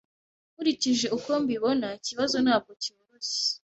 Nkurikije uko mbibona, ikibazo ntabwo cyoroshye.